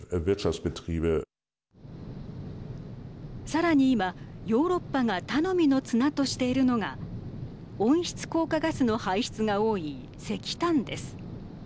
さらに今、ヨーロッパが頼みの綱としているのが温室効果ガスの排出が多い石炭です。